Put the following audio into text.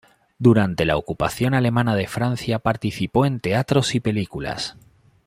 Durante la ocupación alemana de Francia participó en teatros y películas.